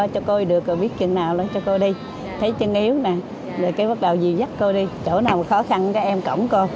thôi được rồi biết chừng nào cho cô đi thấy chân yếu nè rồi bắt đầu dìu dắt cô đi chỗ nào khó khăn em cổng cô